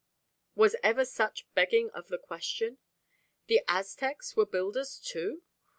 Was ever such begging of the question? The Aztecs were builders, too!